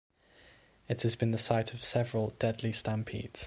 It has been the site of several deadly stampedes.